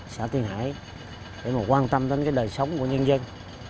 xã tiên hải để quan tâm đến đời sống của nhân dân